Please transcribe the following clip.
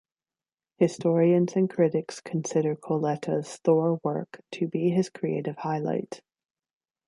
Historians and critics consider Colletta's Thor work to be his creative highlight.